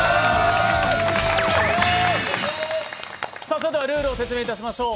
それではルールを説明いたしましょう。